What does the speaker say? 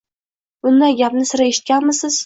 Bunday gapni sira eshitganmisiz?